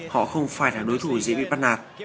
họ không phải là đối thủ dễ bị bắt nạt